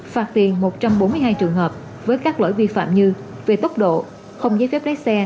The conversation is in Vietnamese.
phạt tiền một trăm bốn mươi hai trường hợp với các lỗi vi phạm như về tốc độ không giấy phép lái xe